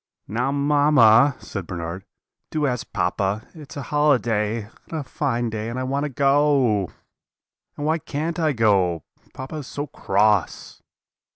"'Now, mamma,' said Bernard, 'do ask papa; it's a holiday, and a fine day, and I want to go. And why can't I go? Papa is so cross.'